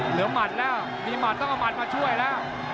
หมัดแล้วมีหัดต้องเอาหมัดมาช่วยแล้ว